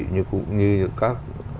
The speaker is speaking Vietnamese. như cũng như các